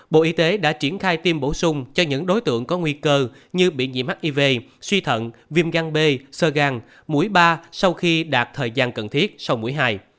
bộ y tế đã triển khai tiêm bổ sung cho những đối tượng có nguy cơ như bị dị hiv suy thận viêm gan b sơ gan mũi ba sau khi đạt thời gian cần thiết sau mũi hai